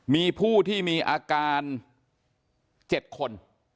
มีผู้ที่มีอาการ๗คน